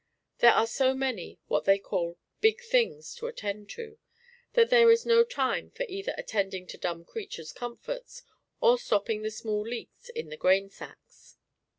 There are so many what they call "big things," to attend to, that there is no time for either attending to dumb creatures' comforts or stopping the small leaks in the grain sacks.